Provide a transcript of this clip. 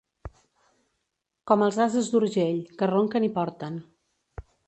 Com els ases d'Urgell, que ronquen i porten.